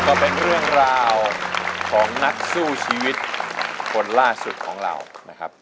ก็เป็นเรื่องราวของนักสู้ชีวิตคนล่าสุดของเรานะครับ